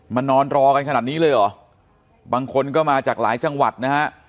นอนรอกันขนาดนี้เลยเหรอบางคนก็มาจากหลายจังหวัดนะฮะ